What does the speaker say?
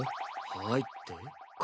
「はい」って？